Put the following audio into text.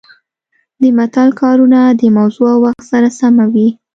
د متل کارونه د موضوع او وخت سره سمه وي